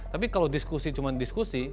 tapi kalau diskusi cuma diskusi